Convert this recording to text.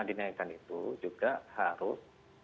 dinaikkan itu juga harus